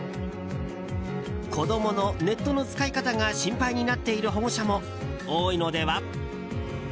子供のネットの使い方が心配になっている保護者も多いのでは。